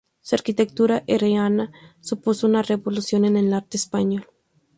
Su arquitectura herreriana supuso una revolución en el arte español.